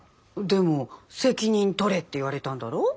でも責任取れって言われたんだろ？